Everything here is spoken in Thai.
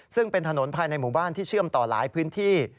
ซึ่งเป็นถนนภายในหมู่บ้านที่เชื่อมต่อหลายพื้นที่